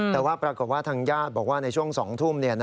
แต่ว่าปรากฏว่าทางญาติบอกว่าในช่วง๒ทุ่ม